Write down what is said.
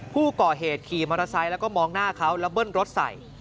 ผู้ก่อเหตุขี่มอเตอร์ไซค์แล้วก็มองหน้าเขาแล้วเบิ้ลรถใส่